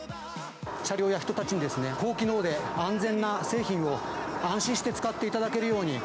車両や人たちに高機能で安全な製品を、安心して使っていただけるように。